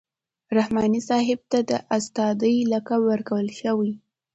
رحماني صاحب ته د استادۍ لقب ورکول شوی.